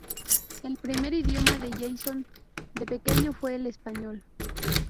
El primer idioma de Jason de pequeño fue el español.